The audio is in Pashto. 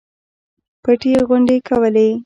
پټې غونډې کولې.